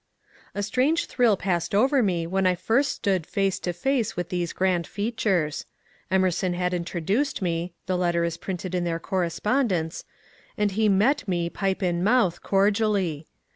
A strange thrill passed over me when I first stood face to face with these grand features. Emerson had introduced me (the letter is printed in their Correspondence), and he met me, pipe in mouth, cordially.